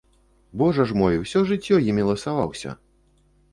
Божа ж мой, усё жыццё імі ласаваўся!